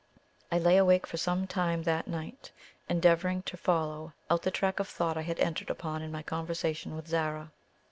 I lay awake for some time that night, endeavouring to follow out the track of thought I had entered upon in my conversation with Zara.